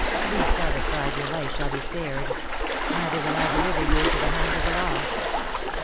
"Be satisfied, your life shall be spared; neither will I deliver you into the hands of the law."